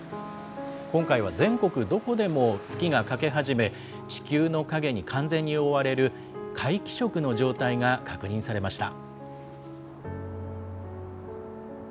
今回は全国どこでも月が欠け始め、地球の影に完全に覆われる、皆既食の状態が確認されました。